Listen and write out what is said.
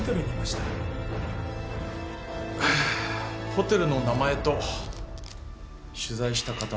ホテルの名前と取材した方のお名前は？